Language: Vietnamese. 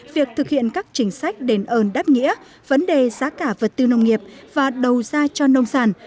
việc thực hiện các chính sách đền ơn đáp nghĩa vấn đề giá cả vật tư nông nghiệp và đầu ra cho nông sản